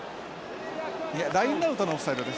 いやラインアウトのオフサイドです。